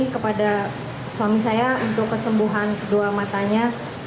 kepada suami saya untuk kesembuhan kedua matanya